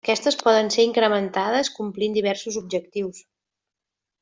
Aquestes poden ser incrementades complint diversos objectius.